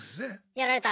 やられた。